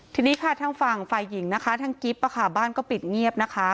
ทีนี้ค่ะทางฝั่งฝ่ายหญิงนะคะทางกิฟต์บ้านก็ปิดเงียบนะคะ